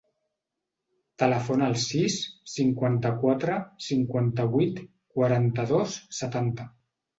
Telefona al sis, cinquanta-quatre, cinquanta-vuit, quaranta-dos, setanta.